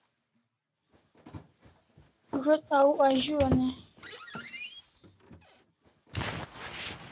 Zo't au azu an e?